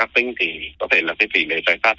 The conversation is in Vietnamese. ác tính thì có thể là cái tỷ lệ tái phát